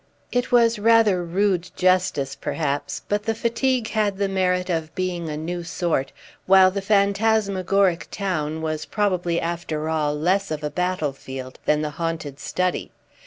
It was rather rude justice perhaps; but the fatigue had the merit of being a new sort, while the phantasmagoric town was probably after all less of a battlefield than the haunted study.